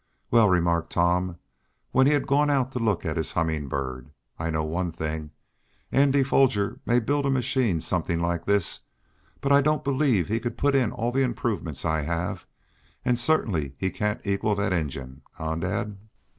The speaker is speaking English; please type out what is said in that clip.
"Well," remarked Tom, when he had gone out to look at his Humming Bird, "I know one thing. Andy Foger may build a machine something like this, but I don't believe he can put in all the improvements I have, and certainly he can't equal that engine; eh, dad?"